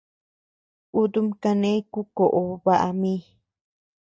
Kutum kane ku koʼo baʼa mi.